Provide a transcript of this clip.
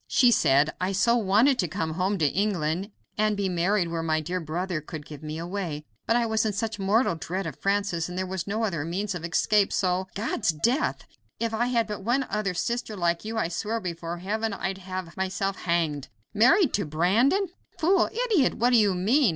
She said: "I so wanted to come home to England and be married where my dear brother could give me away, but I was in such mortal dread of Francis, and there was no other means of escape, so " "God's death! If I had but one other sister like you, I swear before heaven I'd have myself hanged. Married to Brandon? Fool! idiot! what do you mean?